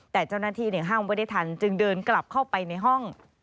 แต่เจ้าหน้าที่ห้ามไว้ได้ทันจึงเดินกลับเข้าไปในห้อง